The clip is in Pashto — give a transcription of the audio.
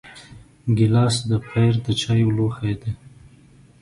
ګیلاس د پیر د چایو لوښی دی.